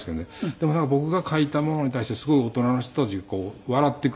でもなんか僕が書いたものに対してすごい大人の人たちがこう笑ってくれている。